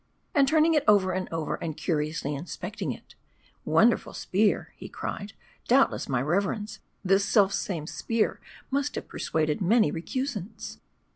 And turning it over and over and curiously inspecting it, " Wonderful spear," he cried. " Doubtless, my reverends, this self same spear must have persuaded many recusants !"